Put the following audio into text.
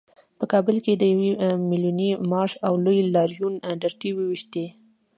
چې په کابل کې یې د يو ميليوني مارش او لوی لاريون ډرتې وويشتې.